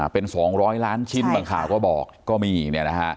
เป็น๒๐๐ล้านชิ้นบางข่าวก็บอกก็มีเนี่ยนะฮะ